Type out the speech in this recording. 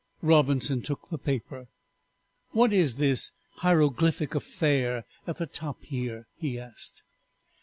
Robinson took the paper. "What is this hieroglyphic affair at the top here?" he asked.